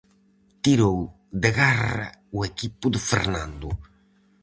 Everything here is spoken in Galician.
Tirou de garra o equipo de Fernando.